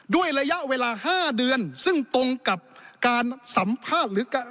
ด้วยระยะเวลา๕เดือนซึ่งตรงกับการสัมภาษณ์หรือการ